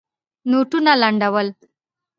نوټونه لانده ول.